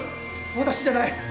私じゃない。